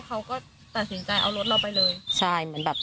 เขาก็ตัดสินใจเอารถเราไปเลยใช่เหมือนแบบ